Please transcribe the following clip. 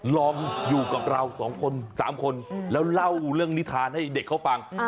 ลองอยู่กับเราสองคน๓คนแล้วเล่าเรื่องนิทานให้เด็กเขาฟัง